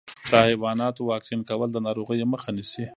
د حیواناتو واکسین کول د ناروغیو مخه نیسي.